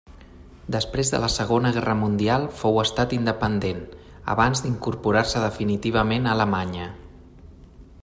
Després de la Segona Guerra Mundial fou estat independent, abans d'incorporar-se definitivament a Alemanya.